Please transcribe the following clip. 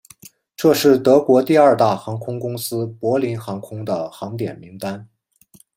这是德国第二大航空公司柏林航空的航点名单。